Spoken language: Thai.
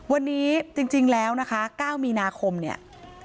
วันนี้จริงแล้วนะคะ๙มีนาคมเนี่ย